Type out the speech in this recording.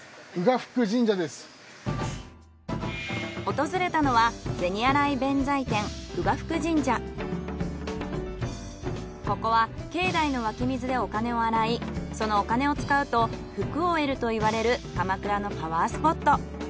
訪れたのはここは境内の湧き水でお金を洗いそのお金を使うと福を得るといわれる鎌倉のパワースポット。